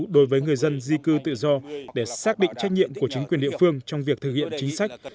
đối với người dân di cư tự do để xác định trách nhiệm của chính quyền địa phương trong việc thực hiện chính sách